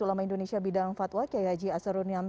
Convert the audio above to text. ulama indonesia bidang fatwa kiai haji asaruniam